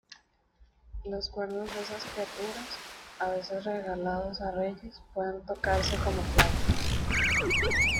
Los cuernos de esas criaturas, a veces regalados a reyes, pueden tocarse como flautas.